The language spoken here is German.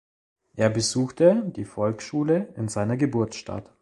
Er besuchte die Volksschule in seiner Geburtsstadt.